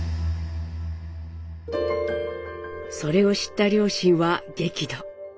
それを知った両親は激怒。